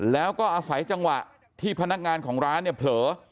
แล้วก็อาศัยจังหวะที่พนักงานของร้านเนี่ยเผลอ